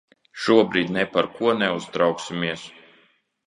Šobrīd ne par ko neuztrauksimies.